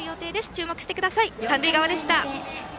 注目してください。